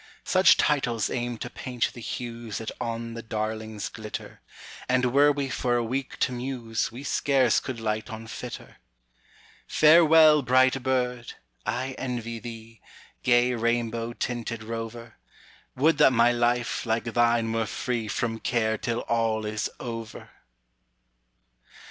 Such titles aim to paint the huesThat on the darlings glitter, And were we for a week to muse, We scarce could light on fitter. Farewell, bright bird! I envy thee, Gay rainbow tinted rover; Would that my life, like thine, were freeFrom care till all is over!